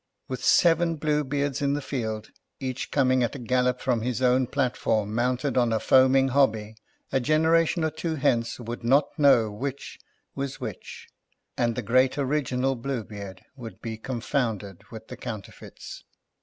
With seven Blue Beards in the field, each coming at a gallop from his own platform mounted on a foaming hobby, a generation or two hence would not know which was which, and the great original Blue Beard would be confounded with the counterfeits.